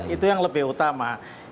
itu yang lebih utama